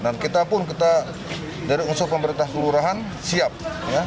dan kita pun kita dari usaha pemerintah kelurahan siap ya